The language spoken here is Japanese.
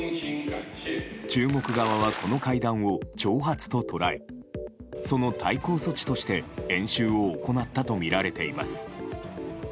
中国側はこの会談を挑発と捉えその対抗措置として演習を行ったとみられています。